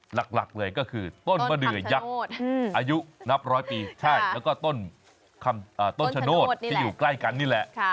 หลักเลยก็คือต้นมะเดือยักษ์อายุนับร้อยปีแล้วก็ต้นชะโนธที่อยู่ใกล้กันนี่แหละ